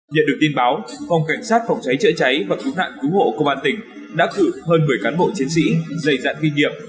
nhận được tin báo phòng cảnh sát phòng cháy chữa cháy và cứu nạn cứu hộ công an tỉnh đã cử hơn một mươi cán bộ chiến sĩ dày dạn kinh nghiệp